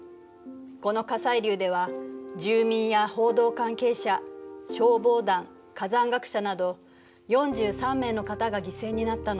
この火砕流では住民や報道関係者消防団火山学者など４３名の方が犠牲になったの。